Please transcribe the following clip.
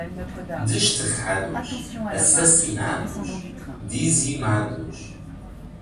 Desterrados, assassinados, dizimados